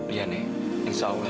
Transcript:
iya nek insya allah